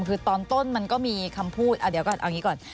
คือตอนต้นมันก็มีคำพูดเอาอย่างนี้ก่อน